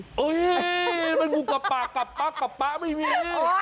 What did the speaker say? เฮ้ยมันงูกระปะกระปะกระปะไม่มี